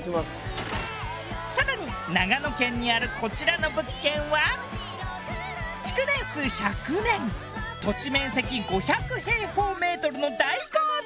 更に長野県にあるこちらの物件は築年数１００年土地面積５００平方メートルの大豪邸！